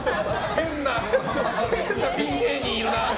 変なピン芸人いるな。